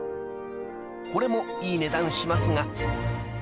［これもいい値段しますが］